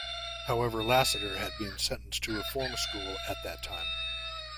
However Lasseter had been sentenced to reform school at that time.